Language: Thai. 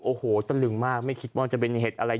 โอ้โหตะลึงมากไม่คิดว่าจะเป็นเหตุอะไร